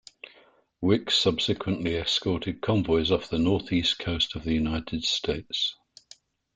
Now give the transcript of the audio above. "Wickes" subsequently escorted convoys off the northeast coast of the United States.